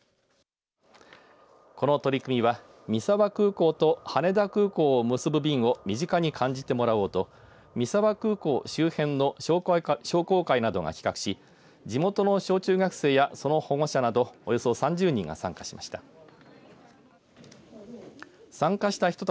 この取り組みは、三沢空港と羽田空港を結ぶ便を身近に感じてもらおうと三沢空港周辺の商工会などが企画し地元の小中学生やその保護者などおよそ３０人が参加しました。